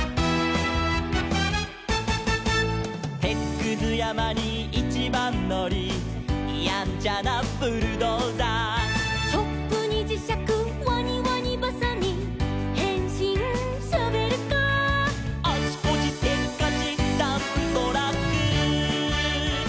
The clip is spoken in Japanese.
「てつくずやまにいちばんのり」「やんちゃなブルドーザー」「チョップにじしゃくワニワニばさみ」「へんしんショベルカー」「あちこちせっかちダンプトラック」